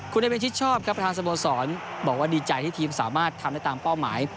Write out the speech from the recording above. คุณเอเวชิดชอบครับประธานสโมสรบอกว่าดีใจที่ทีมสามารถทำได้ตามเป้าหมาย